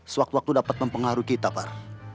sewaktu waktu dapat mempengaruhi kita pak